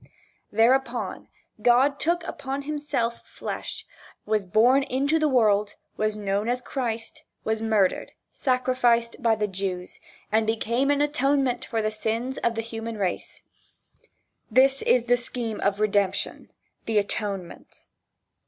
Thereupon God took upon himself flesh, was born into the world was known as Christ was murdered, sacrificed by the Jews, and became an atonement for the sins of the human race. This is the scheme of Redemption, the atonement.